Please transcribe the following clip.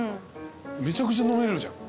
めちゃくちゃ飲めるじゃん。